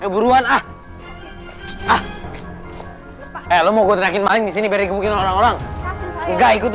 buruan ah ah eh lo mau gue bikin maling disini berikutnya orang orang nggak ikut